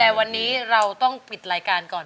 แต่วันนี้เราต้องปิดรายการก่อน